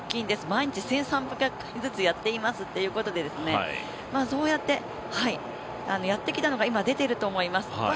毎日１３００回ずつやっていますっていうことでそうやって、やってきたのが今、出ていると思います。